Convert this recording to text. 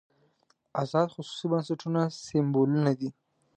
ازاد خصوصي بنسټونه سېمبولونه دي.